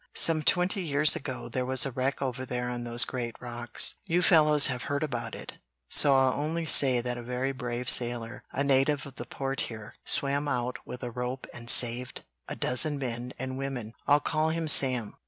"Some twenty years ago there was a wreck over there on those great rocks; you fellows have heard about it, so I'll only say that a very brave sailor, a native of the Port here, swam out with a rope and saved a dozen men and women. I'll call him Sam.